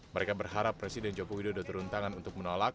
mereka berharap presiden jokowi dodo turun tangan untuk menolak